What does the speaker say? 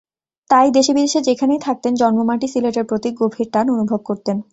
তাই দেশে-বিদেশে যেখানেই থাকতেন, জন্মমাটি সিলেটের প্রতি গভীর টান অনুভব করতেন।